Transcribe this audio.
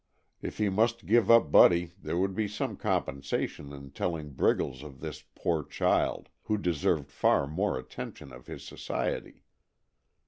If he must give up Buddy there would be some compensation in telling Briggles of this poor child, who deserved far more the attention of his Society.